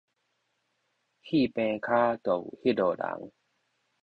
戲棚跤著有彼號人